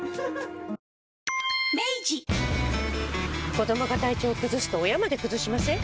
子どもが体調崩すと親まで崩しません？